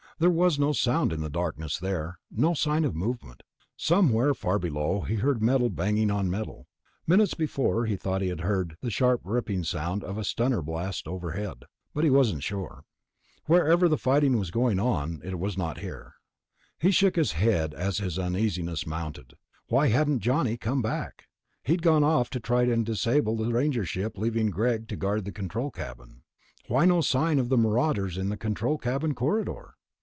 There was no sound in the darkness there, no sign of movement. Somewhere far below he heard metal banging on metal; minutes before he thought he had heard the sharp ripping sound of a stunner blast overhead, but he wasn't sure. Wherever the fighting was going on, it was not here. He shook his head as his uneasiness mounted. Why hadn't Johnny come back? He'd gone off to try and disable the Ranger ship leaving Greg to guard the control cabin. Why no sign of the marauders in the control cabin corridor?